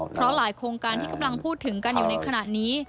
เพราะหลายโครงการที่กำลังพูดถึงกันอยู่ในขณะนี้